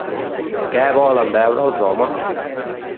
Què volen beure els homes?